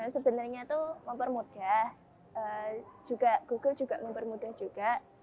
sebenarnya itu mempermudah juga google juga mempermudah juga